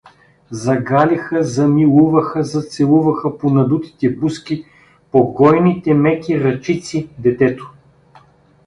Загалиха, замилуваха, зацелуваха по надутите бузки, по гойните меки ръчици детето.